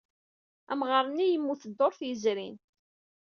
Amɣar-nni yemmut dduṛt yezrin.